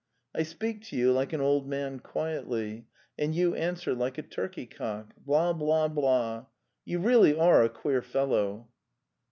I speak to you like an old man quietly, and you answer like a turkey cock: 'Bla—bla—bla!' You really are a queer fellow.